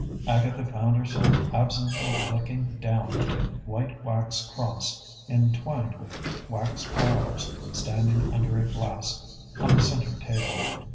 Agatha found herself absently looking down at a white wax cross, entwined with wax flowers, standing under a glass on the center table.